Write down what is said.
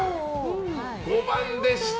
５番でした。